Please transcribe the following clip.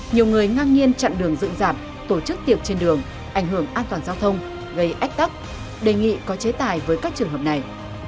nhiều người ngang nhiên chặn đường dựng dạp tổ chức tiệc trên đường ảnh hưởng an toàn giao thông gây ách tắc đề nghị có chế tài với các trường hợp này